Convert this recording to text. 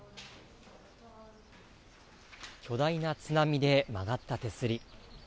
巨大な津波で曲がった手すり。